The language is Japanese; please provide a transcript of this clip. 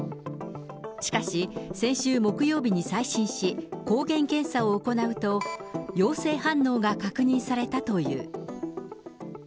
しかし先週木曜日に再診し、抗原検査を行うと、陽性反応が確認されたという。